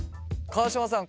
川島さん